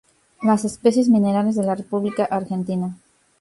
Las especies minerales de la República Argentina.